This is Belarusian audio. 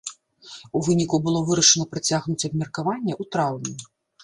У выніку, было вырашана працягнуць абмеркаванне ў траўні.